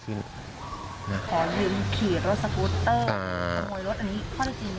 ขอยืมขี่รถสกูตเตอร์ขโมยรถอันนี้ข้อได้จริง